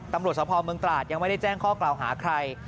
ตำรวจสภเมืองตราดยังไม่ได้แจ้งข้อกล่าวหาใคร